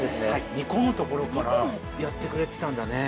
煮込むところからやってくれてたんだね。